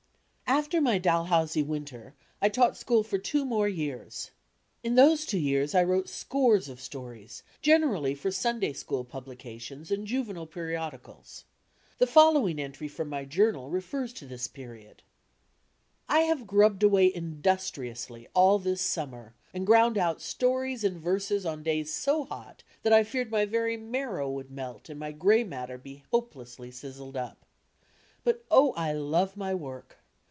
After my Dalhousie winter I taught school for two more years. In those two years I wrote scores of stories, generally for Sunday School publications and juvenile periodicals. The following entry from my journal refers to this period: I have grubbed away industriously all this summer and ground out stories and verses on days so hot that I feared my very marrow would melt and my gray matter be hopelessly sizzled up. But oh, I love my work!